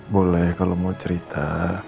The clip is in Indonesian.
boleh kalau mau cerita